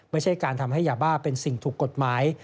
ไม่ใช่การทำให้ยาบ้าเป็นสิ่งถูกกฎหมาย